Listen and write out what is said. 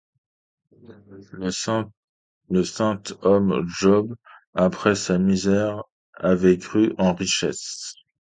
Le saint homme Job, après sa misère, avait crû en richesse.